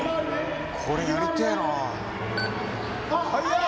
これやりてぇな。